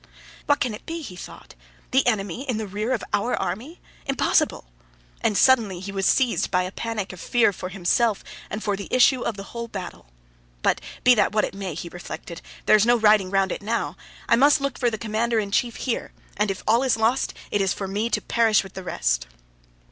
"What can it be?" he thought. "The enemy in the rear of our army? Impossible!" And suddenly he was seized by a panic of fear for himself and for the issue of the whole battle. "But be that what it may," he reflected, "there is no riding round it now. I must look for the commander in chief here, and if all is lost it is for me to perish with the rest."